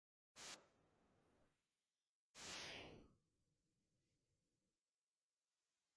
走りだせ、走りだせ、明日を迎えに行こう